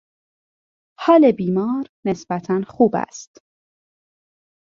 حال بیمار نسبتا خوب است.